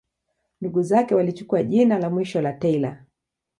Ndugu zake walichukua jina la mwisho la Taylor.